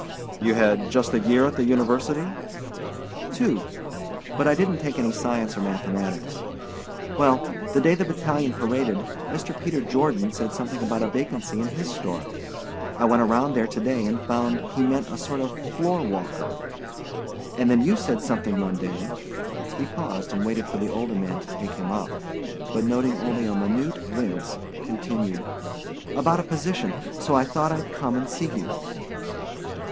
"You had just a year at the university?" "Two. But I didn't take any science or mathematics. Well, the day the battalion paraded, Mr. Peter Jordan said something about a vacancy in his store. I went around there to day and I found he meant a sort of floor walker and then you said something one day" he paused and waited for the older man to take him up, but noting only a minute wince continued "about a position, so I thought I'd come and see you."